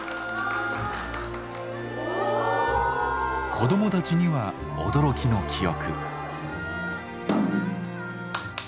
子どもたちには驚きの記憶。